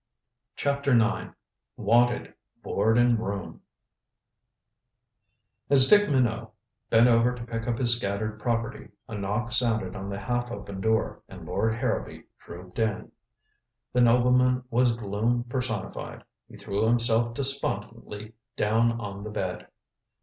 CHAPTER IX "WANTED: BOARD AND ROOM" As Dick Minot bent over to pick up his scattered property, a knock sounded on the half open door, and Lord Harrowby drooped in. The nobleman was gloom personified. He threw himself despondently down on the bed.